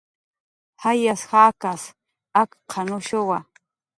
"Jayas jakas akq""anushuwa"